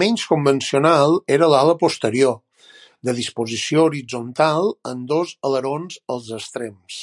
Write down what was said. Menys convencional era l'ala posterior, de disposició horitzontal amb dos alerons als extrems.